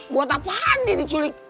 buat apaan dia diculik